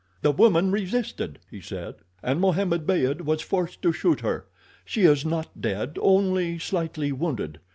"The woman resisted," he said, "and Mohammed Beyd was forced to shoot her. She is not dead—only slightly wounded.